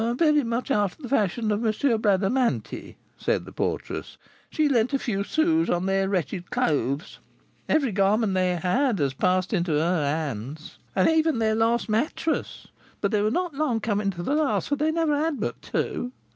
"Very much after the fashion of M. Bradamanti," said the porteress; "she lent a few sous upon their wretched clothes; every garment they had has passed into her hands, and even their last mattress; but they were not long coming to the last, for they never had but two."